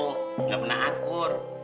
nggak pernah akur